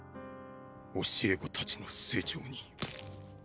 教え子たちの成長に。